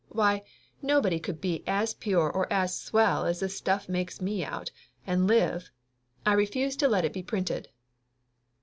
Why, nobody could be as pure or as swell as this stuff makes me out, and live! I refuse to let it be printed."